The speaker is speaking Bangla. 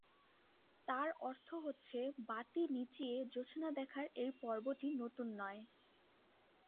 তার অর্থ হচ্ছে বাতি নিচিয়ে জোছনা দেখার এই পর্বটি নতুন নয়।